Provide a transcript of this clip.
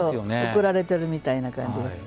怒られてるみたいな感じがする。